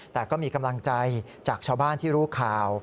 แต่ก็มีกำลังใจจากชาวบ้านที่รู้ข่าว